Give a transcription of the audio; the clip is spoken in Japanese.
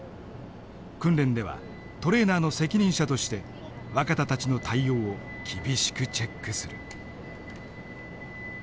訓練ではトレーナーの責任者として若田たちの対応を厳しくチェックする。